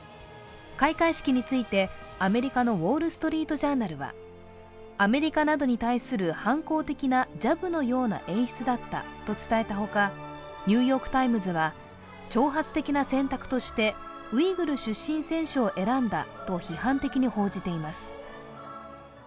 開会式についてアメリカの「ウォールストリート・ジャーナル」は、アメリカなどに対する反抗的なジャブのような演出だったと伝えたほか、「ニューヨーク・タイムズ」は挑発的な選択としてウイグル出身選手を選んだと批判的に報じています。